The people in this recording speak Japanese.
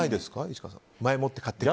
市川さん。